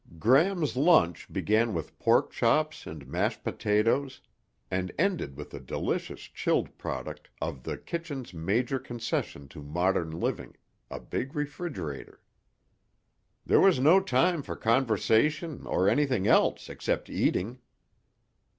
Gram's lunch began with pork chops and mashed potatoes and ended with a delicious chilled product of the kitchen's major concession to modern living, a big refrigerator. There was no time for conversation or anything else except eating.